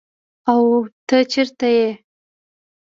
او ته چیرته ئي ؟